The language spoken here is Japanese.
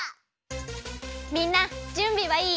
みんなじゅんびはいい？